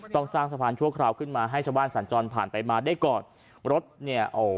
ต้องสร้างสะพานชั่วคราวขึ้นมาให้ชาวบ้านสัญจรผ่านไปมาได้ก่อนรถเนี่ยโอ้